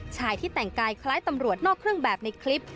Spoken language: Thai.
ชายที่แต่งกายคล้ายตำรวจนอกเครื่องแบบในคลิป